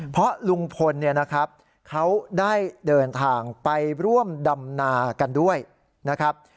เพราะลุงพลเนี่ยนะครับเขาได้เดินทางไปร่วมดำนากันด้วยนะครับ